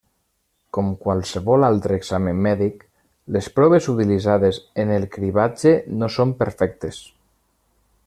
Com qualsevol altre examen mèdic, les proves utilitzades en el cribratge no són perfectes.